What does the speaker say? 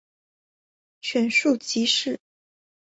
选庶吉士。